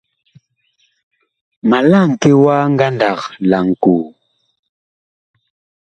Ma laŋke wa ngandag laŋkoo.